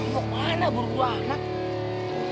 mau kemana burgu anak